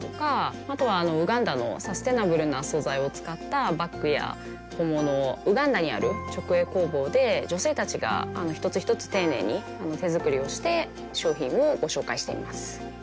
あとはウガンダのサステナブルな素材を使ったバッグや小物をウガンダにある直営工房で女性達が一つ一つ丁寧に手作りをして商品をご紹介しています